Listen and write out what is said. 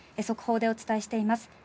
速報でお伝えしています。